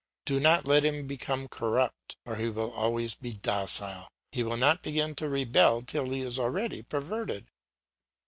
Do not let him become corrupt, and he will always be docile; he will not begin to rebel till he is already perverted.